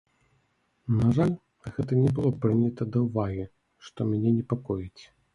На жаль, гэта не было прынята да ўвагі, што мяне непакоіць.